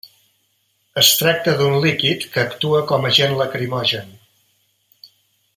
Es tracta d'un líquid que actua com agent lacrimogen.